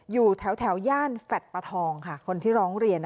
อยู่แถวย่านแฟลต์ประทองค่ะคนที่ร้องเรียน